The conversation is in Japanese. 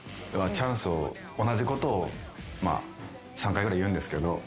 同じことを３回ぐらい言うんですけど。